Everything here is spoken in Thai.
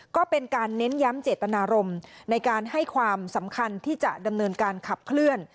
ก็เป็นการเน้นย้ำเจตนารมณ์ในการให้ความสำคัญที่จะดำเนินการขับเคลื่อน